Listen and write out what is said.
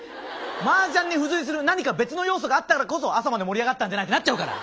マージャンに付随する何か別の要素があったからこそ朝まで盛り上がったんじゃない？ってなっちゃうから！